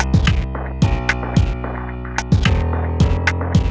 tapi kalau kalian mau ngebalikin sweaternya